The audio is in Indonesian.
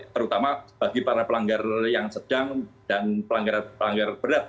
terutama bagi para pelanggar yang sedang dan pelanggaran berat